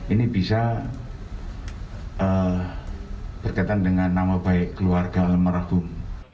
ini bisa berkaitan dengan nama baik keluarga almarhum